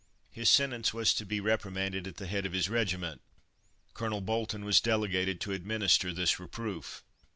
His sentence was "to be reprimanded at the head of his regiment." Colonel Bolton was delegated to administer this reproof.